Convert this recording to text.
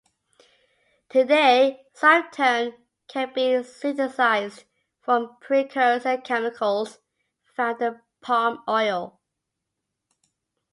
Today, civetone can be synthesized from precursor chemicals found in palm oil.